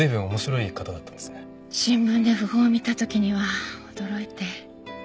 新聞で訃報を見た時には驚いて。